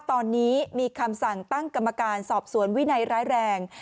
ตอนนี้มีคำสั่งตั้งกรรมการสอบสวนวินัยร้ายแรง